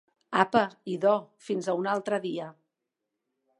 Apa, idò, fins a un altre dia.